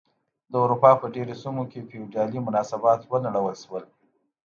د اروپا په ډېرو سیمو کې فیوډالي مناسبات ونړول شول.